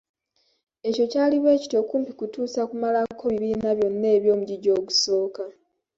Ekyo kyali bwe kityo kumpi kutuusa kumalako bibiina byonna eby’omugigi ogusooka.